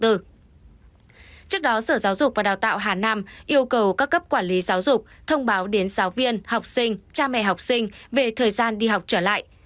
trước đó sở giáo dục và đào tạo hà nam yêu cầu các cấp quản lý giáo dục thông báo đến giáo viên học sinh cha mẹ học sinh về thời gian đi học trở lại